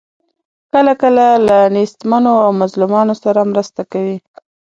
کله کله له نیستمنو او مظلومانو سره مرسته کوي.